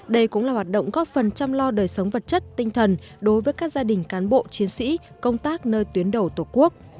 đây cũng là hoạt động góp phần chăm lo đời sống vật chất tinh thần đối với các gia đình cán bộ chiến sĩ công tác nơi tuyến đầu tổ quốc